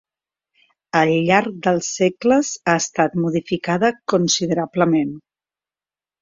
Al llarg dels segles ha estat modificada considerablement.